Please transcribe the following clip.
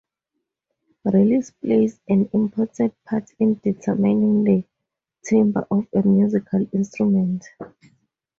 Release plays an important part in determining the timbre of a musical instrument.